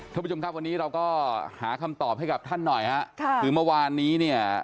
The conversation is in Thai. ท่านผู้ชมครับวันนี้เราก็หาคำตอบให้กับท่านหน่อยฮะค่ะคือเมื่อวานนี้เนี่ย